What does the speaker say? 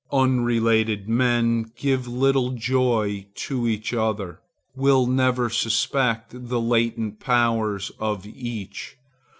Unrelated men give little joy to each other, will never suspect the latent powers of each.